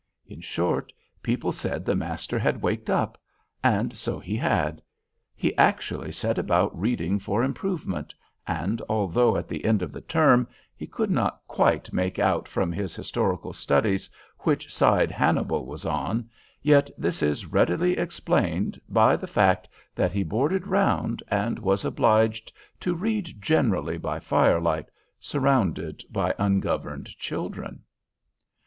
In short, people said the master had waked up; and so he had. He actually set about reading for improvement; and although at the end of the term he could not quite make out from his historical studies which side Hannibal was on, yet this is readily explained by the fact that he boarded round, and was obliged to read generally by firelight, surrounded by ungoverned children.